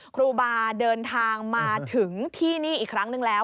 ครูบาเดินทางมาถึงที่นี่อีกครั้งนึงแล้ว